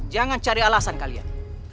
jangan cari alasan kalian